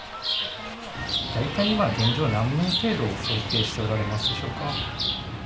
大体今、現状は何名程度を、想定しておられますでしょうか。